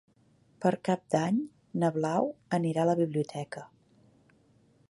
Per Cap d'Any na Blau anirà a la biblioteca.